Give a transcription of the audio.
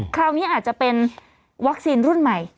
คราวนี้อาจจะเป็นวัคซีนรุ่นใหม่